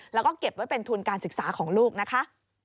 แล้วก็เก็บไว้เป็นทุนการศึกษาของลูกนะคะ